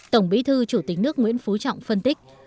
tổng bí thư chủ tịch nước nguyễn phú trọng phân tích